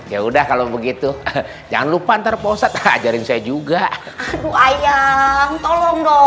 ya udah kalau begitu jangan lupa antar poset hajarin saya juga aduh ayam tolong